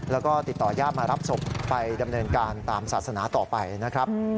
แล้วก็ติดต่อญาติมารับศพไปดำเนินการตามศาสนาต่อไปนะครับ